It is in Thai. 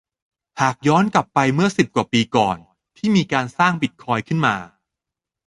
หากย้อนกลับไปเมื่อสิบกว่าปีก่อนที่มีการสร้างบิตคอยน์ขึ้นมา